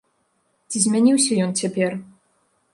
Ці змяніўся ён цяпер?